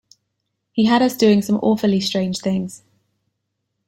He had us doing some awfully strange things.